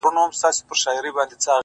• وخت په وخت به یې پر کور کړلی پوښتني ,